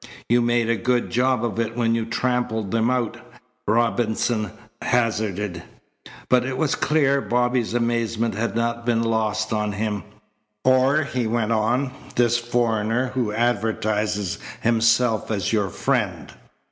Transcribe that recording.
"You made a good job of it when you trampled, them out," Robinson hazarded. But it was clear Bobby's amazement had not been lost on him. "Or," he went on, "this foreigner who advertises himself as your friend!